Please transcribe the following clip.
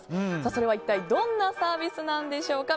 それは一体どんなサービスなんでしょうか。